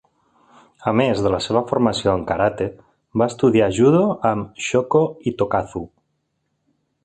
A més de la seva formació en karate, va estudiar judo amb Shoko Itokazu.